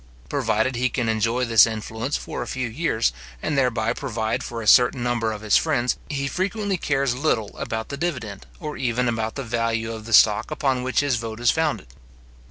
Provided he can enjoy this influence for a few years, and thereby provide for a certain number of his friends, he frequently cares little about the dividend, or even about the value of the stock upon which his vote is founded.